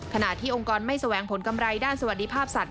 ขณะที่องค์กรไม่แสวงผลกำไรด้านสวัสดิภาพสัตว